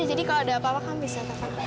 jadi kalau ada apa apa kamu bisa